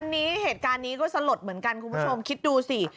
อันนี้เหตุการณ์นี้ก็สลดเหมือนกันคุณผู้ชมคิดดูสิ